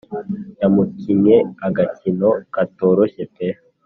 Yamukinnye agakino katoroshye pe